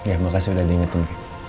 ya makasih udah diingetin